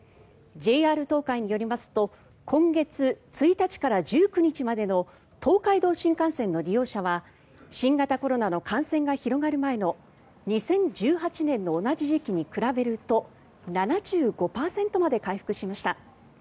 ＪＲ東海によりますと今月１日から１９日までの東海道新幹線の利用者は新型コロナの感染が広がる前の２０１８年の同じ時期に比べると７５％まで回復しました。